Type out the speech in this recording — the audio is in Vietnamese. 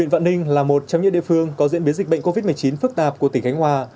vạn ninh là một trong những địa phương có diễn biến dịch bệnh covid một mươi chín phức tạp của tỉnh khánh hòa